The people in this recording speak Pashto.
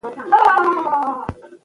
ترکي شرکت په کار کې مرسته کوي.